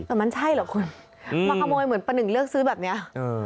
แต่มันใช่เหรอคุณมาขโมยเหมือนประหนึ่งเลือกซื้อแบบเนี้ยเออ